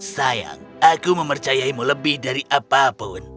sayang aku mempercayaimu lebih dari apapun